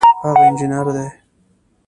هغه انجینر دی